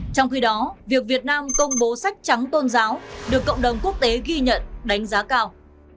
trong khi đó việc việt nam công bố sách trắng tôn giáo được cộng đồng quốc tế ghi nhận đánh giá cao